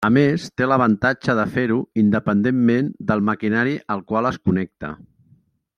A més té l'avantatge de fer-ho independentment del maquinari al qual es connecta.